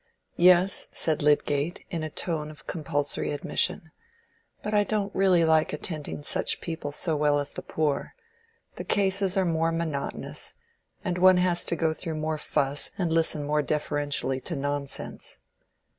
"Yes," said Lydgate, in a tone of compulsory admission. "But I don't really like attending such people so well as the poor. The cases are more monotonous, and one has to go through more fuss and listen more deferentially to nonsense."